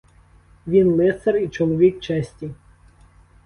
Він лицар і чоловік честі.